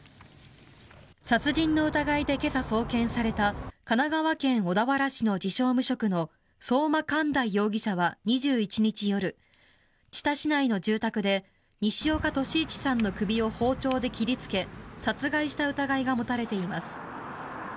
殺人の疑いで今朝、送検された神奈川県小田原市の自称・無職の相馬寛大容疑者は２１日夜知多市内の住宅で西岡歳一さんの首を包丁で切りつけ殺害した疑いが持たれています。